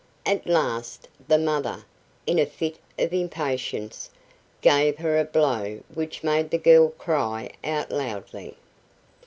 At last, the mother, in a fit of impatience, gave her a blow which made the girl cry out loudly.